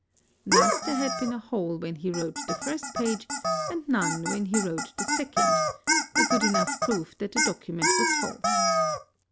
Thus there had been a hole when he wrote the first page and none when he wrote the second, a good enough proof that the document was false.